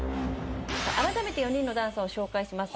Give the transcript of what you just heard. あらためて４人のダンサーを紹介します。